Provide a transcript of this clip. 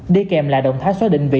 đi kèm là động thái xóa định vị